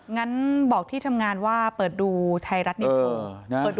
งั้นบอกที่ทำงานว่าเปิดดูไทยรัฐนิวโชว์